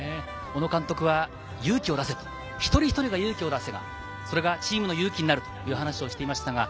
小野監督は勇気を出せと一人一人が勇気を出せば、それがチームの勇気になるという話をしていました。